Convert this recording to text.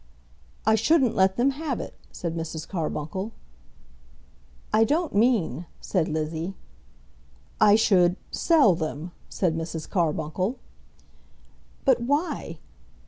"I shouldn't let them have it," said Mrs. Carbuncle. "I don't mean," said Lizzie. "I should sell them," said Mrs. Carbuncle. "But why?"